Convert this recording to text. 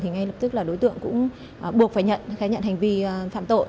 thì ngay lập tức là đối tượng cũng buộc phải nhận hành vi phạm tội